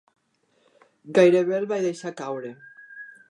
Gairebé el vaig deixar caure!